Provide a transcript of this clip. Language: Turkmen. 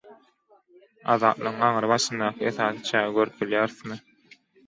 Azatlygyň aňyry başyndaky esasy çägi görüp bilýärismi?